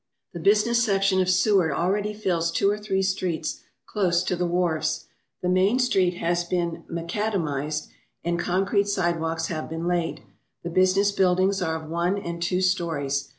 The business section of Seward already fills two or three streets close to the wharves. The main street has been macadamized and concrete sidewalks have been laid. The business buildings are of one and two stories.